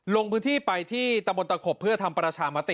ลงพื้นที่ไปที่ตะบนตะขบเพื่อทำประชามติ